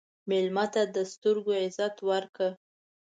مېلمه ته د سترګو عزت ورکړه.